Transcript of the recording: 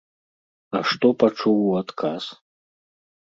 А што пачуў у адказ?